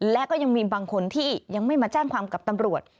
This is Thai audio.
และก็ยังมีบางคนที่ยังไม่มาแจ้งความกับตำรวจ